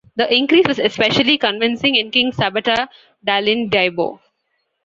The increase was especially convincing in King Sabata Dalindyebo.